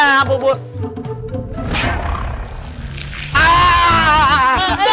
nggak ada apa apa